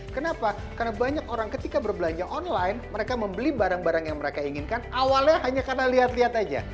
kenapa karena banyak orang ketika berbelanja online mereka membeli barang barang yang mereka inginkan awalnya hanya karena lihat lihat aja